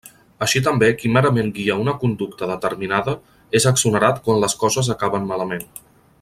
Així també qui merament guia una conducta determinada és exonerat quan les coses acaben malament.